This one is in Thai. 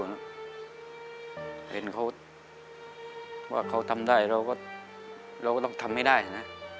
เห็นเขาว่าเขาทำได้เราก็ต้องทำให้ได้นะ